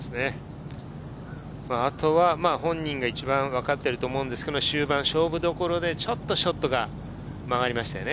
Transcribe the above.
あとは本人が一番分かっていると思いますが、終盤の勝負どころでちょっとショットが曲がりましたよね。